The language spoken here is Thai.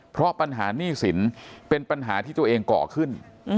เพราะปัญหาหนี้สินเป็นปัญหาที่ตัวเองก่อขึ้น